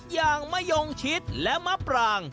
อย่างมะยงชิดและมะปราง